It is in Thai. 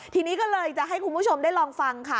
ทีนี้ก็เลยจะให้คุณผู้ชมได้ลองฟังค่ะ